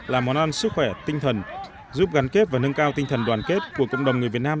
là món ăn sức khỏe tinh thần giúp gắn kết và nâng cao tinh thần đoàn kết của cộng đồng người việt nam